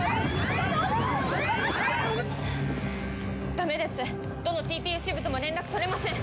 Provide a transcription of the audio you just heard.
だめですどのＴＰＵ支部とも連絡取れません！